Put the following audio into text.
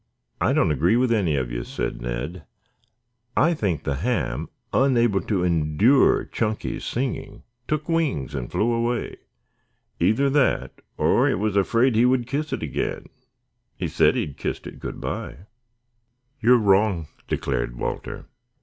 "I don't agree with any of you," said Ned. "I think the ham, unable to endure Chunky's singing, took wings and flew away. Either that or it was afraid he would kiss it again. He said he had kissed it good by." "You are wrong," declared Walter.